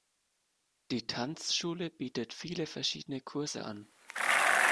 Die Tanzschule bietet viele verschiedene Kurse an.